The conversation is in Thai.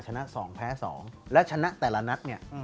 ชนะ๒แพ้๒และชนะแต่ละนัดเนี่ย